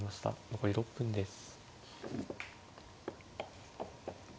残り６分です。